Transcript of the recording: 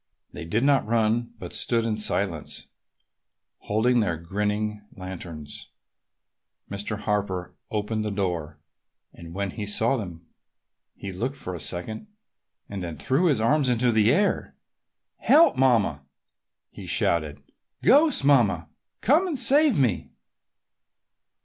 They did not run but stood in silence, holding their grinning lanterns. Mr. Harper opened the door and when he saw them he looked for a second and then threw his arms up into the air. "Help, Mamma!" he shouted. "Ghosts, Mamma! Come and save me!"